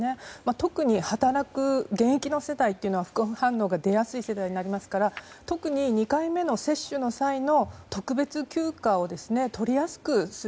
特に働く現役の世代というのは副反応が出やすい世代になりますから特に２回目の接種の際の特別休暇を取りやすくする。